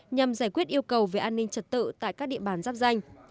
nhằm giải quyết yêu cầu về an ninh trật tự tại các địa bàn giáp danh